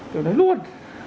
tôi nói luôn